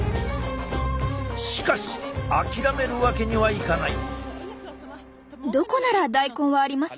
しかし諦めるわけにはいかない。